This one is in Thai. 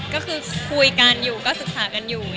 ก็คือคุยกันอยู่ก็ศึกษากันอยู่